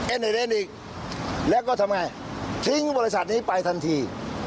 เนนอีกแล้วก็ทำไงทิ้งบริษัทนี้ไปทันที